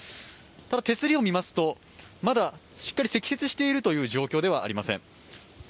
ただ、手すりを見ますとまだしっかり積雪しているという状況ではありません。